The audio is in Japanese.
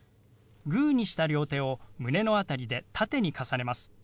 グーにした両手を胸の辺りで縦に重ねます。